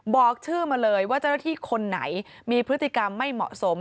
บอกชื่อมาเลยว่าเจ้าหน้าที่คนไหนมีพฤติกรรมไม่เหมาะสม